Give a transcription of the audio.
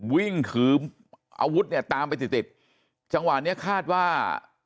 วิ่งถืออาวุธเนี่ยตามไปติดติดจังหวะเนี้ยคาดว่า